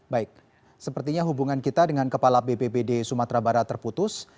baik sepertinya hubungan kita dengan kepala bpbd sumatera barat terputus